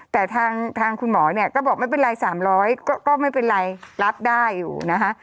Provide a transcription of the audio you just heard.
แต่ทางคุณหมอเนี่ยก็บอกไม่เป็นไร๓๐๐ก็ไม่เป็นไรรับได้อยู่นะคะ